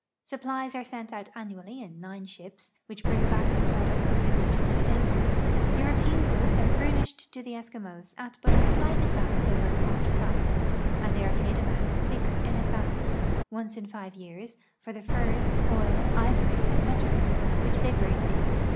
Supplies are sent out annually in nine shii)s, which luring back the products of the region to Denmark. Euroi)ean goods are furnished to the Eskimos at but a slight advance over cost price, and they are paid amounts fixed in advance, once in five years, for the furs, oil, ivory, etc., which they bring in.